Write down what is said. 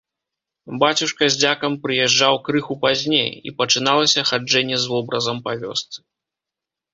Бацюшка з дзякам прыязджаў крыху пазней, і пачыналася хаджэнне з вобразам па вёсцы.